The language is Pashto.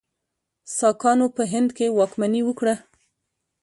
ساکانو په هند کې واکمني وکړه.